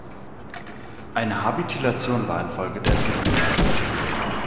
Eine Habilitation war infolgedessen unmöglich.